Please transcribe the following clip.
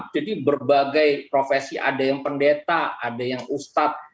jadi berbagai profesi ada yang pendeta ada yang ustadz